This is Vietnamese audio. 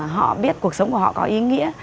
họ biết cuộc sống của họ có ý nghĩa